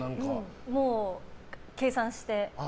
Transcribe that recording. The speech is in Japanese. もう計算して。